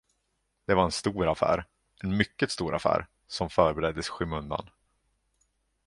Det var en stor affär, en mycket stor affär, som förbereddes i skymundan.